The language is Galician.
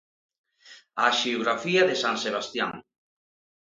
A haxiografía de san Sebastián.